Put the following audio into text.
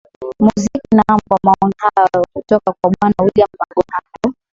muziki naam kwa maoni hayo kutoka kwa bwana william maghoha ndo